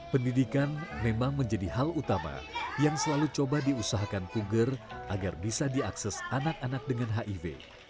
pendidikan memang menjadi hal utama yang selalu coba diusahakan puger agar bisa diakses anak anak dengan hiv